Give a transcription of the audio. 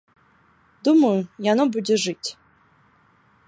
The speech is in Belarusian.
Думаю, яно будзе жыць.